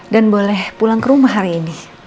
dan boleh pulang ke rumah hari ini